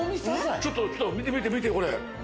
ちょっと見て見て、これ。